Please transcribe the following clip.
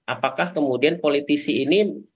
apakah kemudian politisi ini